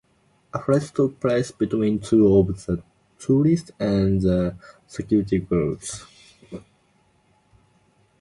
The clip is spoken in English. A fight took place between two of the tourists and the security guards.